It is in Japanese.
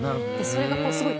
それがすごい。